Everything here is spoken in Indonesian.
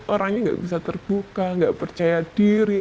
orangnya nggak bisa terbuka nggak percaya diri